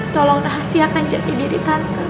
tolong rahasiakan jati diri kanker